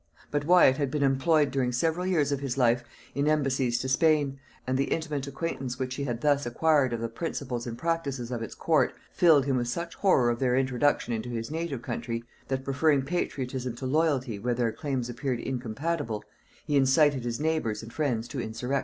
But Wyat had been employed during several years of his life in embassies to Spain; and the intimate acquaintance which he had thus acquired of the principles and practices of its court, filled him with such horror of their introduction into his native country, that, preferring patriotism to loyalty where their claims appeared incompatible, he incited his neighbours and friends to insurrection.